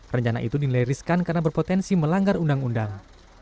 rencana itu dinilai riskan karena berpotensi melanggar undang undang